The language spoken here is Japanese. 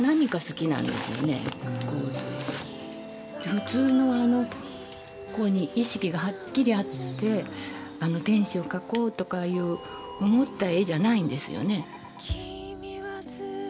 普通のこういうふうに意識がはっきりあって天使を描こうとかいう思った絵じゃないんですよね。